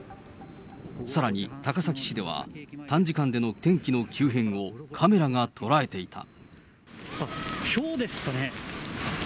さらに高崎市では、短時間での天気の急変をカメラが捉えていた。